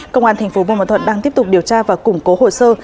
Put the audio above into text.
công an thành phố bô màu thuật đang tiếp tục điều tra và củng cố hồ sơ